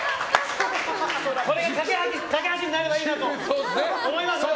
これが懸け橋になればいいなと思います。